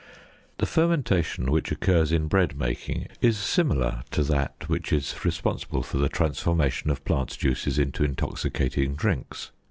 The fermentation which occurs in bread making is similar to that which is responsible for the transformation of plant juices into intoxicating drinks.